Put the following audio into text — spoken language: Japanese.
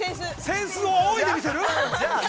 ◆扇子をあおいで見せる？